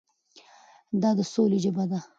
دا د سولې ژبه ده.